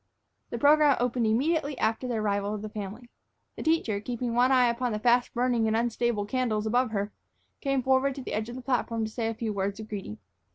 The program opened immediately after the arrival of the family. The teacher, keeping one eye upon the fast burning and unstable candles above her, came forward to the edge of the platform to say a few words of greeting.